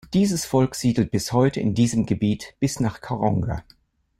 Dieses Volk siedelt bis heute in diesem Gebiet bis nach Karonga.